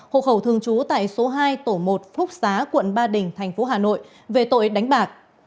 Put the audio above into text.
hộ khẩu thường trú tại số hai tổ một phúc xá quận ba đình thành phố hà nội về tội đánh bạc